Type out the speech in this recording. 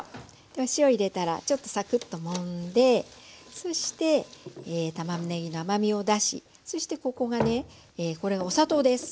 お塩を入れたらちょっとサクッともんでそしてたまねぎの甘みを出しそしてこれがお砂糖です。